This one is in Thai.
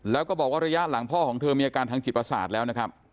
แล้วก็บอกว่าระยะหลังพ่อของเธอมีอาการทางจิตประสาทแล้วนะครับ